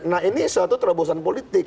nah ini suatu terobosan politik